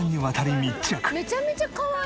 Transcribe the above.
めちゃめちゃかわいい！